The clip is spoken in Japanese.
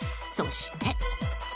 そして。